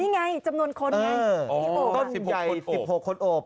นี่ไงจำนวนคนไงต้นใหญ่๑๖คนโอบ